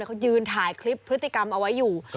เขายืนถ่ายคลิปพฤติกรรมเอาไว้อยู่